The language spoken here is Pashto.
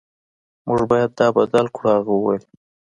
موږ باید دا بدل کړو هغه وویل